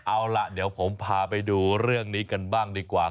เอาล่ะเดี๋ยวผมพาไปดูเรื่องนี้กันบ้างดีกว่า